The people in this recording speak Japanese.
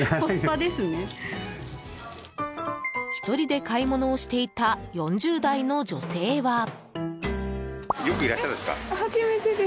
１人で買い物をしていた４０代の女性は。